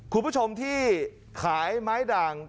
คุณผู้ชมที่ขายไม้ด่าง